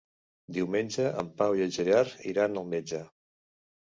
Diumenge en Pau i en Gerard iran al metge.